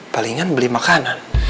palingan beli makanan